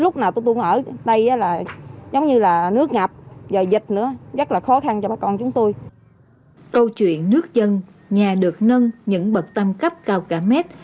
câu chuyện nước dân nhà được nâng những bậc tam cấp cao cả mét